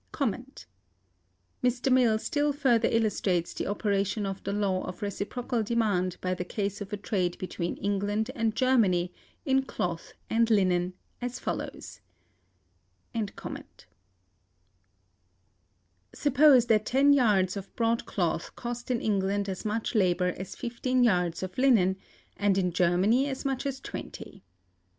Mr. Mill still further illustrates the operation of the law of reciprocal demand by the case of a trade between England and Germany in cloth and linen, as follows: "Suppose that ten yards of broadcloth cost in England as much labor as fifteen yards of linen, and in Germany as much as twenty."